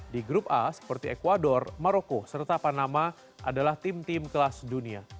di grup a seperti ecuador maroko serta panama adalah tim tim kelas dunia